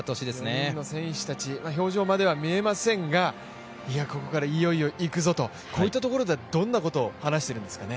４人の選手たち、表情までは見えませんがいよいよ行くぞとこういったところではどんなことを話しているんですかね？